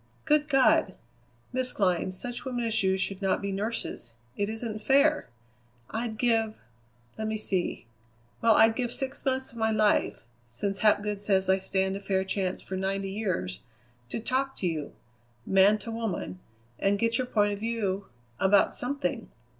Good God! Miss Glynn, such women as you should not be nurses; it isn't fair. I'd give let me see well, I'd give six months of my life since Hapgood says I stand a fair chance for ninety years to talk to you, man to woman, and get your point of view about something.